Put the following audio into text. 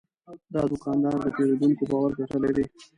دا دوکاندار د پیرودونکو باور ګټلی دی.